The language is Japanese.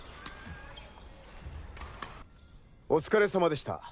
お疲れ様でした。